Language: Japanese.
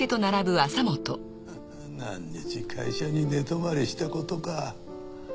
何日会社に寝泊まりしたことか。